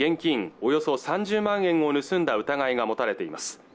およそ３０万円を盗んだ疑いが持たれています